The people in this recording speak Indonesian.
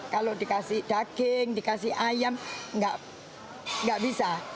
kalau dikasih daging dikasih ayam nggak bisa